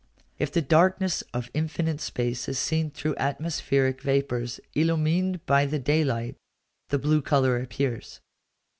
If the darkness of infinite space is seen through atmospheric vapours illumined by the day light, the blue colour appears.